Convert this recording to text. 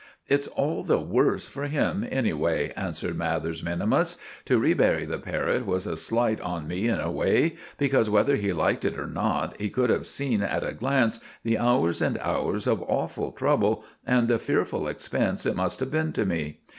"It's all the worse for him, anyway," answered Mathers minimus. "To rebury the parrot was a slight on me in a way; because whether he liked it or not he could have seen at a glance the hours and hours of awful trouble, and the fearful expense it must have been to me.